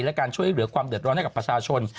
และการช่วยเหลือความเดือดร้อนให้กับประชาชน